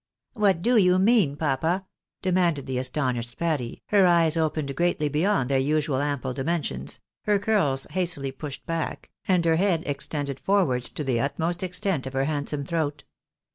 " What do you mean, papa ?" demanded the astonished Patty, her eyes opened greatly beyond their usual ample dimensions, her curls hastily pushed back, and her head extended forwards to the utmost extent of her handsome throat.